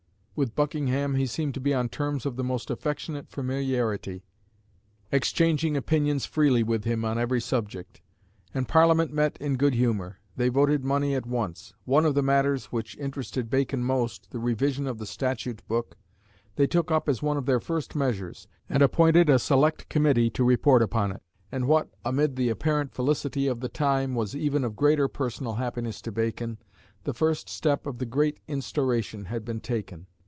With Buckingham he seemed to be on terms of the most affectionate familiarity, exchanging opinions freely with him on every subject. And Parliament met in good humour. They voted money at once. One of the matters which interested Bacon most the revision of the Statute Book they took up as one of their first measures, and appointed a Select Committee to report upon it. And what, amid the apparent felicity of the time, was of even greater personal happiness to Bacon, the first step of the "Great Instauration" had been taken.